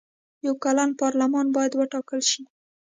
یو کلن پارلمان باید وټاکل شي.